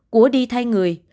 của đi thay người